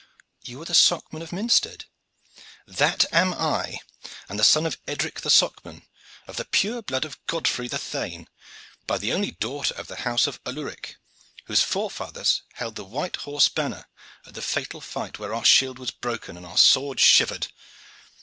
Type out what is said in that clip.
"You are the Socman of Minstead?" "That am I; and the son of Edric the Socman, of the pure blood of Godfrey the thane, by the only daughter of the house of Aluric, whose forefathers held the white horse banner at the fatal fight where our shield was broken and our sword shivered.